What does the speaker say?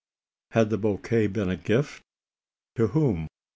Had the bouquet been a gift? To whom?